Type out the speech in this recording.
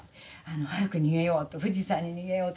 早く逃げよう富士山に逃げよう」とか。